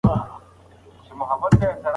مرهټیان د افغان لښکرو لخوا مات شول.